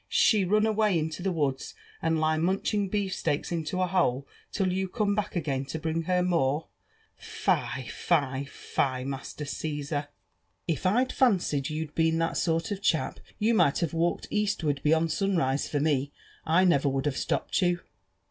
She run away into the woods, and lie munching beefsteaks in a hole till you confie back again to brmg her morel — Fie, fie, fie, Master Caesar! If I'd fancied you'd been that sort of chap, you might have walked eastward beyond sunrise for me— I never would have stopped you."